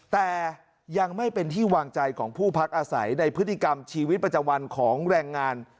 แต่ยังไม่เป็นที่วางใจของผู้พักอาศัยในพฤติกรรมชีวิตประจำวันของแรงงาน